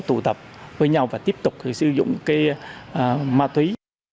tụ tập với nhau và tiếp tục sử dụng cái ma túy